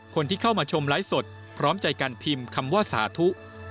คนที่เข้ามาชมไลฟ์สดพร้อมใจการพิมพ์คำว่าสาธุ